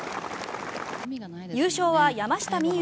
優勝は山下美夢